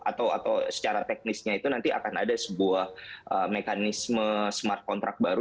atau secara teknisnya itu nanti akan ada sebuah mekanisme smart contract baru